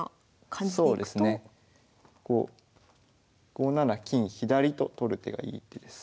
５七金左と取る手がいい一手です。